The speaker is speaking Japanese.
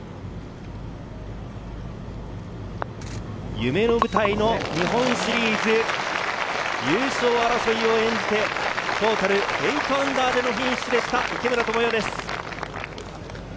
夢の舞台の日本シリーズ、優勝争いを演じて、トータル−８でのフィニッシュでした、池村寛世です。